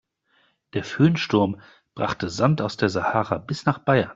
Der Föhnsturm brachte Sand aus der Sahara bis nach Bayern.